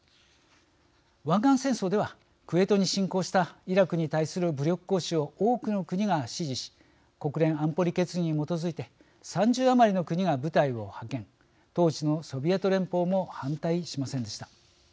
湾岸戦争ではクウェートに侵攻したイラクに対する武力行使を多くの国が支持し国連安保理決議に基づいて３０余りの国が部隊を派遣当時のソビエト連邦も反対しませんでした。